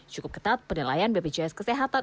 cukup ketat penilaian bpjs kesehatan